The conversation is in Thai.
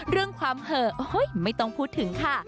เรื่องความเห่อยไม่ต้องพูดถึงค่ะ